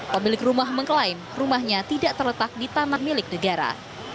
pemilik rumah mengklaim rumahnya tidak terletak di taman milik negara